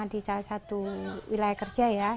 di salah satu wilayah kerja ya